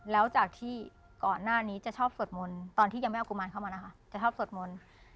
แล้วจากที่ก่อนหน้านี้จะชอบโสดมนตอนที่ยังไม่เอากุมารทนี่จะชอบโสดมน